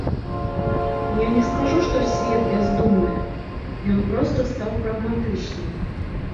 Я не скажу, што свет бяздумны, ён проста стаў прагматычным.